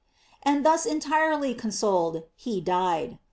" And thus entirely con soled, he died.